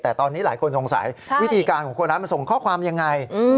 แต่ตอนนี้หลายคนสงสัยวิธีการของคนร้ายมันส่งข้อความยังไง